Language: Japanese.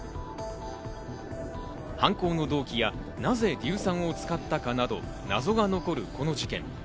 犯行の動機や、なぜ硫酸を使ったかなど、謎が残るこの事件。